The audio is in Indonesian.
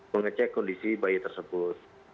mengecek kondisi bayi tersebut